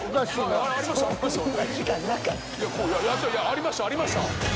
ありましたありました。